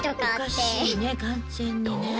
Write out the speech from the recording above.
おかしいね完全にね。